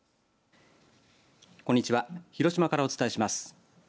こんにちは広島からお伝えします。